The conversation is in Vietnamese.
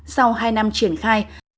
sau hai năm triển khai